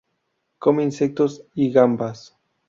Come insectos y gambas.